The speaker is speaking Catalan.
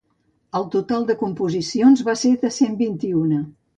El total de composicions va ser de cent vint-i-una.